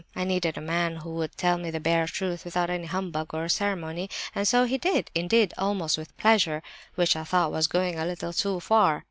I needed a man who would tell me the bare truth without any humbug or ceremony—and so he did—indeed, almost with pleasure (which I thought was going a little too far).